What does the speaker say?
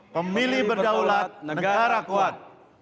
pemilih berdaulat negara kuat